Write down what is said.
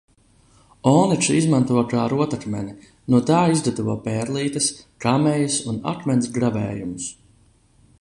Oniksu izmanto kā rotakmeni – no tā izgatavo pērlītes, kamejas un akmens gravējumus.